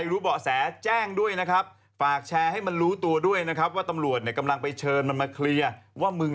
รู้เบาะแสแจ้งด้วยนะครับฝากแชร์ให้มันรู้ตัวด้วยนะครับว่าตำรวจเนี่ยกำลังไปเชิญมันมาเคลียร์ว่ามึง